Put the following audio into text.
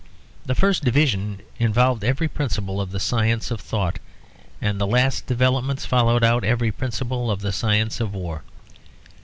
The first division involved every principle of the science of thought; and the last developments followed out every principle of the science of war.